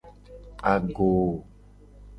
Agoo.